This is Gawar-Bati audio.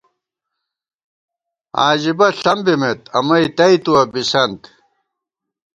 عاجِبہ ݪم بِمېت، امئ تئیتُوَہ بِسَنت